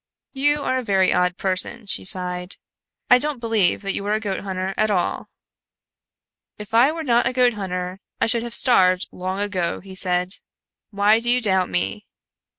"You are a very odd person," she sighed. "I don't believe that you are a goat hunter at all." "If I were not a goat hunter I should have starved long ago," he said. "Why do you doubt me?"